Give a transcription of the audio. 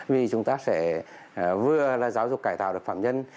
vì chúng ta sẽ vừa là giáo dục cải tạo được phạm nhân